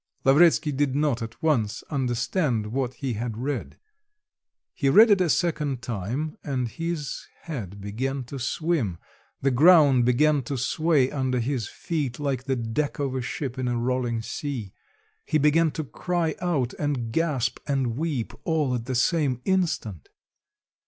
Lavretsky did not at once understand what he had read; he read it a second time, and his head began to swim, the ground began to sway under his feet like the deck of a ship in a rolling sea. He began to cry out and gasp and weep all at the same instant.